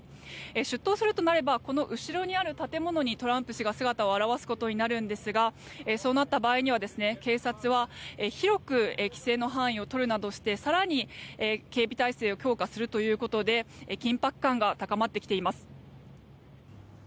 出頭するとなればこの後ろにある建物にトランプ氏が姿を現すことになるんですがそうなった場合には、警察は広く規制の範囲を取るなどして更に警備態勢を強化するということで緊迫感が高まってきています。